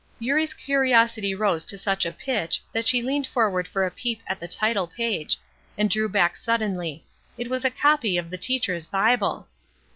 Eurie's curiosity rose to such a pitch that she leaned forward for a peep at the title page, and drew back suddenly. It was a copy of the Teacher's Bible!